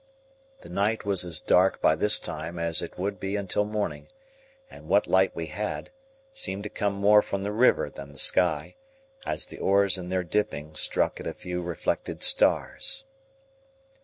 The night was as dark by this time as it would be until morning; and what light we had, seemed to come more from the river than the sky, as the oars in their dipping struck at a few reflected stars.